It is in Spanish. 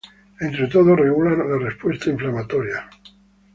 Entre todos regulan la respuesta inflamatoria.